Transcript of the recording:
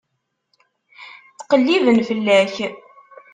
Ttqelliben fell-ak.